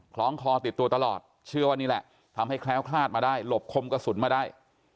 ล้องคอติดตัวตลอดเชื่อว่านี่แหละทำให้แคล้วคลาดมาได้หลบคมกระสุนมาได้